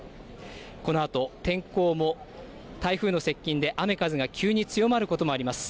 このあと天候も台風の接近で雨風が急に強まることもあります。